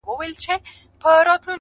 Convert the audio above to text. ور کول مو پر وطن باندي سرونه-